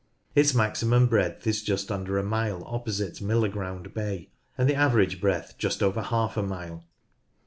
Its maximum breadth is just under a mile opposite Millerground Bay, and the average breadth just over half a mile.